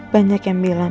banyak yang bilang